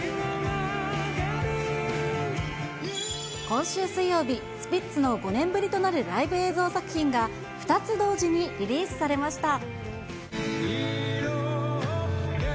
今週水曜日、スピッツの５年ぶりとなるライブ映像作品が、２つ同時にリリースされました。